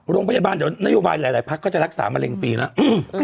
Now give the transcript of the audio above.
โรงพยาบาลเดี๋ยวนโยบายหลายพักก็จะรักษามะเร็งฟรีแล้ว